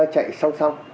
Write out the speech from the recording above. chạy song song